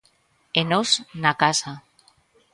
E nós, na casa.